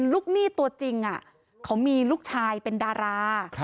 หนี้ตัวจริงเขามีลูกชายเป็นดารา